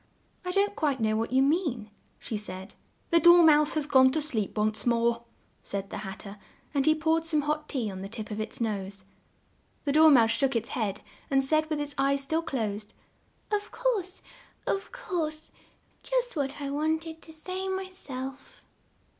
"I don't quite know what you mean," she said. "The Dor mouse has gone to sleep, once more," said the Hat ter, and he poured some hot tea on the tip of its nose. The Dor mouse shook its head, and said with its eyes still closed, "Of course, of course; just what I want ed to say my self."